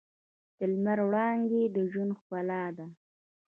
د لمر وړانګې د ژوند ښکلا ده.